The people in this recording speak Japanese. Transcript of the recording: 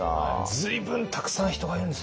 随分たくさん人がいるんですね。